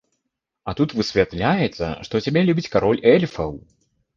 А тут высвятляецца, што цябе любіць кароль эльфаў!